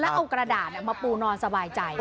แล้วเอากระดาษมาปูนอนสบายใจ